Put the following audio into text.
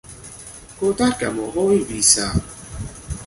Cô toát cả mồ hôi vì sợ